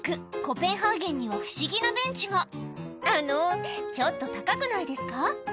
コペンハーゲンには不思議なベンチがあのちょっと高くないですか？